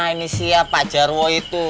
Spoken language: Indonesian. ini siapa jarwo itu